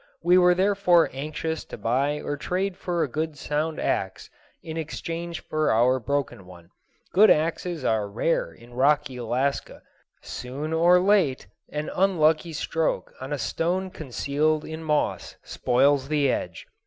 We were therefore anxious to buy or trade for a good sound axe in exchange for our broken one. Good axes are rare in rocky Alaska. Soon or late an unlucky stroke on a stone concealed in moss spoils the edge.